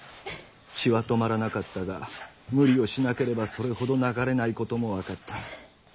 血は止まらなかったが無理をしなければそれほど流れないことも分かった。